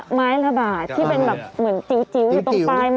ที่เป็นแบบเหมือนจิ๋วอยู่ตรงปลายไม้นิดเดียว